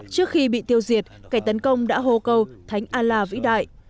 trước khi bị tiêu diệt cảnh tấn công đã hô câu thánh a la vĩ đại